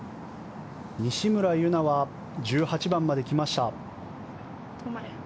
西村優菜は１８番まで来ました。